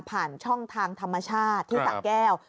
ผ่านช่องทางธรรมชาติที่สะแก้ว